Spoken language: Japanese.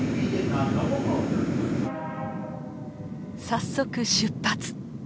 早速出発！